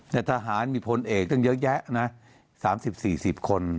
แต่ทหารมีพลเอกตั้งเยอะแยะนะ๓๐๔๐คน